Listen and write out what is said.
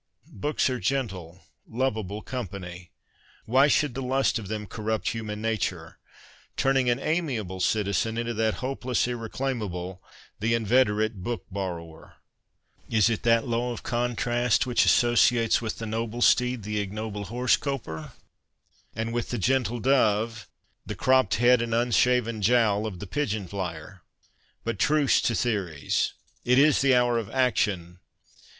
' Books are gentle, lovable company. Why should the lust of them corrupt human nature, turning an amiable citizen into that hopeless irreclaimable, the inveterate book borrower ? Is it that law of contrasts which associates with the noble steed the ignoble horse coper, and with the gentle dove the cropped head and unshaven jowl of the pigeon flyer ? But truce to theories ! It is the hour of action.